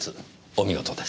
お見事です。